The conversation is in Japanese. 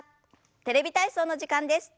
「テレビ体操」の時間です。